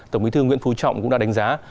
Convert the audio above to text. tổng bí thư nguyễn phú trọng cũng đã đánh giá